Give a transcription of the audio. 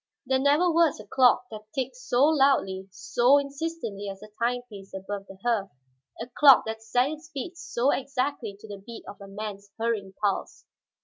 There never was a clock that ticked so loudly, so insistently as the timepiece above the hearth, a clock that set its beats so exactly to the beat of a man's hurrying pulse.